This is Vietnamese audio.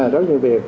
rất nhiều việc